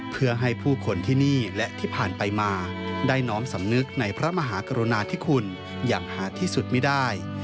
เพื่อให้ผู้คนที่นี่และที่ผ่านไปมาได้น้อมสำนึกในพระมหากรุณาธิคุณอย่างหาที่สุดไม่ได้